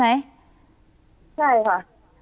ใช่ค่ะ